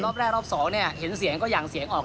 รอบแรกรอบสองเนี่ยเห็นเสียงก็หยั่งเสียงออก